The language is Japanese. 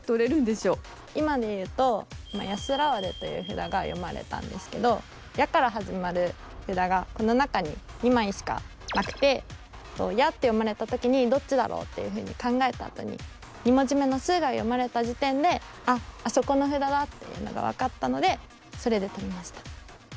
今ので言うと今「やすらはで」という札が読まれたんですけど「や」から始まる札がこの中に２枚しかなくて「や」って読まれた時にどっちだろうっていうふうに考えたあとに２文字目の「す」が読まれた時点で「あっあそこの札だ」っていうのが分かったのでそれで取りました。